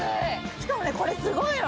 しかもねこれすごいの。